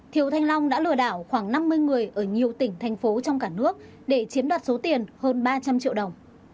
thiếu thanh long đã lừa đảo khoảng năm mươi người ở nhiều tỉnh thành phố trong cả nước để chiếm đoạt số tiền hơn ba trăm linh triệu đồng